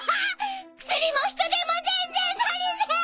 薬も人手も全然足りねえ！